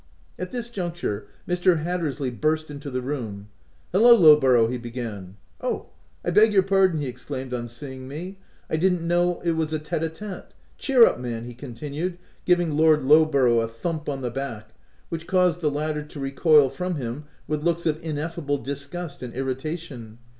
At this juncture Mr. Hattersley burst into the room. " Hallow, Lowborough !.!' he began —" Oh ! I beg your pardon," he exclaimed on seeing me ;" I didn't know it was a tete a tete. Cheer up, man !" he continued, giving Lord Lowbo rough a thump on the back, which caused the latter to recoil from him with looks of ineffa ble disgust and irritation.